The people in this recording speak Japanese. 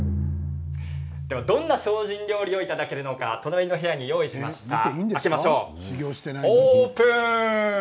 どんな精進料理をいただけるのか隣の部屋に用意しました。